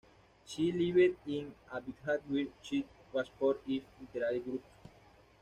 She lived in Abidjan where she was part of literary groups.